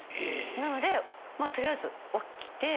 なので取りあえず起きて。